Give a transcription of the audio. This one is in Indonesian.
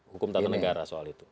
hukum tata negara soal itu